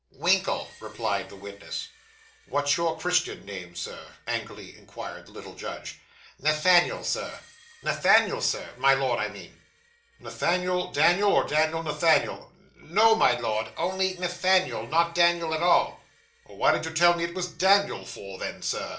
'Winkle,' replied the witness. 'What's your Christian name, Sir?' angrily inquired the little judge. 'Nathaniel, Sir.' 'Daniel any other name?' 'Nathaniel, sir my Lord, I mean.' 'Nathaniel Daniel, or Daniel Nathaniel?' 'No, my Lord, only Nathaniel not Daniel at all.' 'What did you tell me it was Daniel for, then, sir?